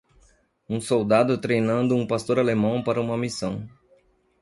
Um soldado treinando um pastor alemão para uma missão.